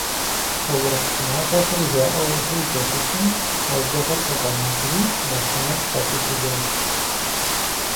Таурыхъ шынагъуэхэр жаӏэжу здэщысым, уэздыгъэр къыщӏэнэжыри, я шынэр щхьэщихужащ.